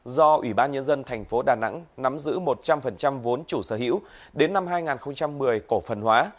do ủy ban nhân dân thành phố đà nẵng nắm giữ một trăm linh vốn chủ sở hữu đến năm hai nghìn một mươi cổ phần hóa